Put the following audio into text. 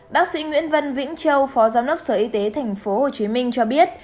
bác sĩ nguyễn văn vĩnh châu phó giám đốc sở y tế tp hcm cho biết